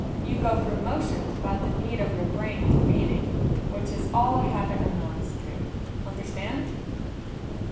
You go through motions without the need of your brain intervening, which is all a habit amounts to. Understand?"